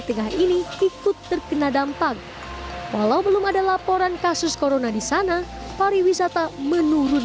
tengah ini ikut terkena dampak walau belum ada laporan kasus corona di sana pariwisata menurun